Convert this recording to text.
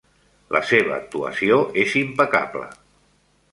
La seva actuació és impecable.